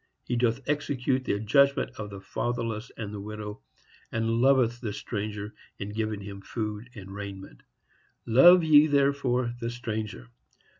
He doth execute the judgment of the fatherless and the widow, and loveth the stranger in giving him food and raiment; love ye therefore the stranger.